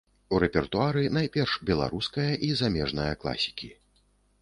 У рэпертуары найперш беларуская і замежная класікі.